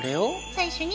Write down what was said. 最初に。